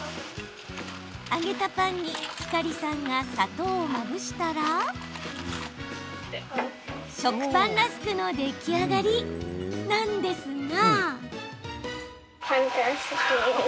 揚げたパンにひかりさんが砂糖をまぶしたら食パンラスクの出来上がりなんですが。